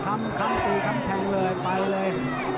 คำตีคำแทงเลยไปเลย